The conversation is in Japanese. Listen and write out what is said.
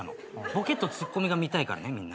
ボケとツッコミが見たいからみんな。